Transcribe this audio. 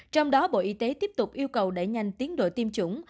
trong đó bộ y tế tiếp tục yêu cầu đẩy nhanh tiến độ tiêm chủng